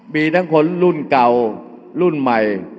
มีทั้งคนรุ่นเก่ารุ่นใหม่